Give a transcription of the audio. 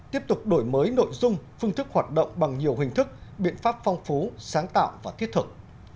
tiếp tục đổi mới nội dung phương thức hoạt động bằng nhiều hình thức biện pháp phong phú sáng tạo và thiết thực